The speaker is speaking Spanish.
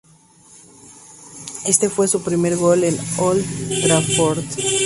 Éste fue su primer gol en Old Trafford.